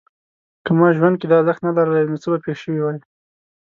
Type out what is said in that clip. که ما ژوند کې دا ارزښت نه لرلای نو څه به پېښ شوي وای؟